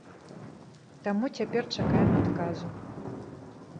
Таму цяпер чакаем адказу.